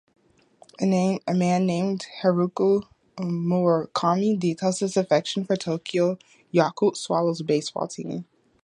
A man named Haruki Murakami details his affection for Tokyo Yakult Swallows baseball team.